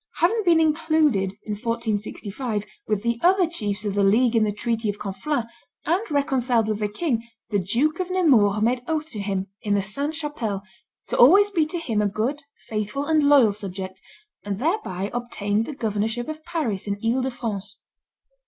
Having been included, in 1465, with the other chiefs of the league in the treaty of Conflans, and reconciled with the king, the Duke of Nemours made oath to him, in the Sainte Chapelle, to always be to him a good, faithful, and loyal subject, and thereby obtained the governorship of Paris and Ile de France.